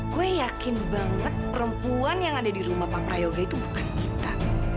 gue yakin banget perempuan yang ada di rumah pak prayoga itu bukan kita